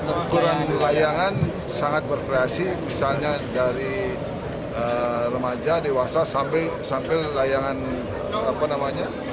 ukuran layangan sangat berkreasi misalnya dari remaja dewasa sampai layangan apa namanya